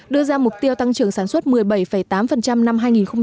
đưa ra mục tiêu tăng trưởng sản xuất một mươi bảy tám năm hai nghìn một mươi bảy